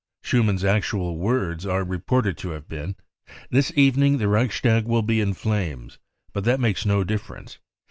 Schumann's actual words are I* reported to have been : 44 This evening the Reichstag will be in flames. But that makes no difference.